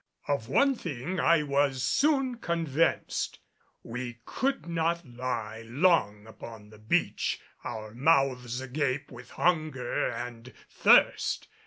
Of one thing I was soon convinced, we could not lie long upon the beach our mouths agape with hunger and thirst.